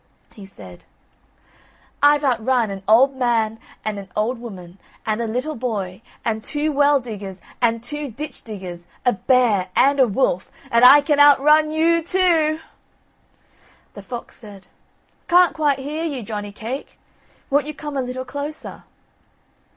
He said: "I've outrun an old man, and an old woman, and a little boy, and two well diggers, and two ditch diggers, a bear, and a wolf, and I can outrun you too o o!" The fox said: "I can't quite hear you, Johnny cake, won't you come a little closer?"